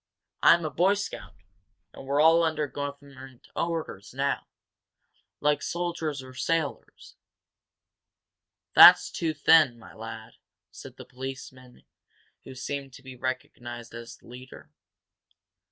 I'm a Boy Scout, and we're all under government orders now, like soldiers or sailors." "That's too thin, my lad," said the policeman who seemed to be recognized as the leader.